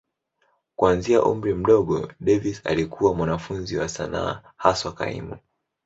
Kuanzia umri mdogo, Davis alikuwa mwanafunzi wa sanaa, haswa kaimu.